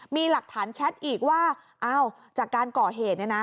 มีหลักฐานแชทอีกว่าอ้าวจากการก่อเหตุเนี่ยนะ